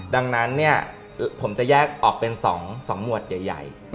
ดังนั้นเนี่ยผมจะแยกออกเป็น๒หมวดใหญ่